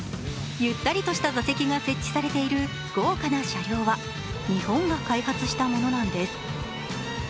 ゆったりとした座席が設置されている豪華な車両は日本が開発したものなんです。